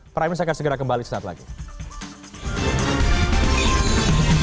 prime news akan segera kembali setelah itu